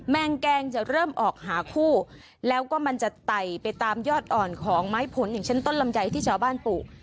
แมงแกงจะเริ่มออกหาคู่แล้วก็มันจะไต่ไปตามยอดอ่อนของไม้ผลอย่างเช่นต้นลำไยที่ชาวบ้านปลูก